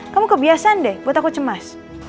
kamu kebiasaan deh buat aku cemas